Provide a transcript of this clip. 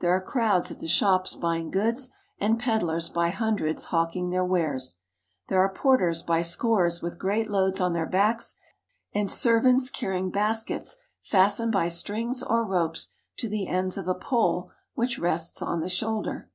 There are crowds at the shops buying goods, and peddlers by hundreds hawking their wares. There are porters by A Shoe Store. scores with great loads on their backs, and servants carry ing baskets fastened by strings or ropes to the ends of a pole which rests on the shoulder.